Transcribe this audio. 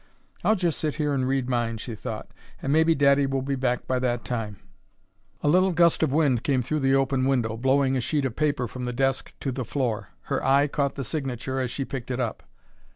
"I'll just sit here and read mine," she thought, "and maybe daddy will be back by that time." A little gust of wind came through the open window, blowing a sheet of paper from the desk to the floor. Her eye caught the signature as she picked it up.